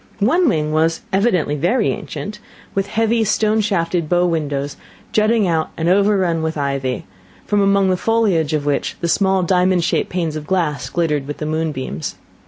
One wing was, evidently very ancient, with heavy stone shafted bow windows jutting out and overrun with ivy, from among the foliage of which the small diamond shaped panes of glass glittered with the moonbeams.